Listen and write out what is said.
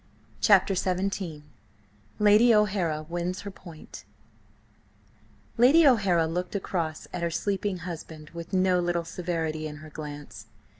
CHAPTER XVII LADY O'HARA WINS HER POINT LADY O'HARA looked across at her sleeping husband with no little severity in her glance.